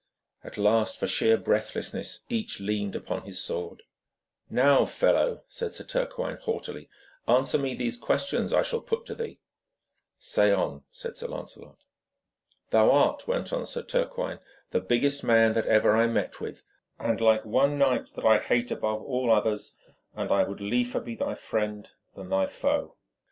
At last, for sheer breathlessness, each leaned upon his sword. 'Now, fellow,' said Sir Turquine haughtily, 'answer me these questions I shall put to thee.' 'Say on,' said Sir Lancelot. 'Thou art,' went on Sir Turquine, 'the biggest man that ever I met with, and like one knight that I hate above all others, and I would liefer be thy friend than thy foe.